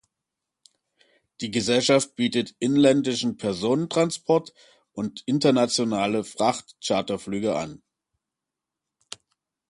Die Gesellschaft bietet inländischen Personentransport und internationale Fracht-Charterflüge an.